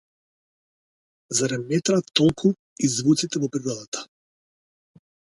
Зарем не траат толку и звуците во природата?